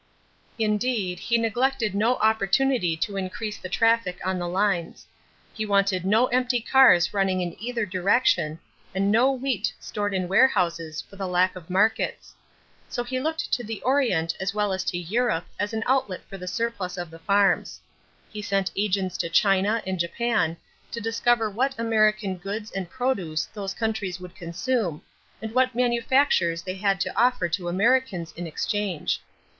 Indeed, he neglected no opportunity to increase the traffic on the lines. He wanted no empty cars running in either direction and no wheat stored in warehouses for the lack of markets. So he looked to the Orient as well as to Europe as an outlet for the surplus of the farms. He sent agents to China and Japan to discover what American goods and produce those countries would consume and what manufactures they had to offer to Americans in exchange.